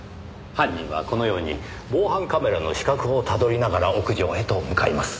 犯人はこのように防犯カメラの死角をたどりながら屋上へと向かいます。